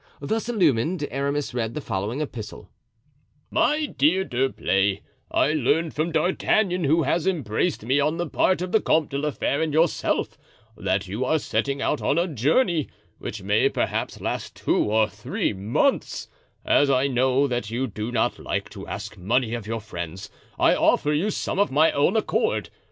Thus illumined, Aramis read the following epistle: "My dear D'Herblay,—I learned from D'Artagnan who has embraced me on the part of the Comte de la Fere and yourself, that you are setting out on a journey which may perhaps last two or three months; as I know that you do not like to ask money of your friends I offer you some of my own accord.